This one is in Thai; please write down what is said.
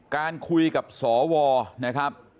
การคุยกับสวนะครับ